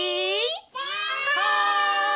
はい！